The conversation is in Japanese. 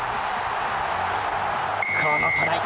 このトライ。